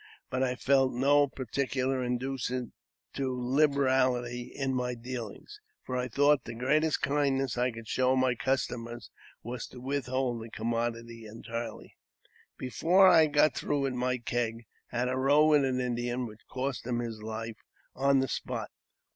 But I felt no particular inducement to liberality in my dealings, for I I 358 AUTOBIOORAPHY OF thought the greatest kindness I could show my customers was to withhold the commodity entirely. Before I had got through with my keg I had a row with an Indian, which cost him his life on the spot.